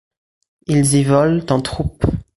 Ils y volent en troupes.